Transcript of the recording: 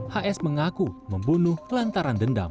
hs mengaku membunuh lantaran dendam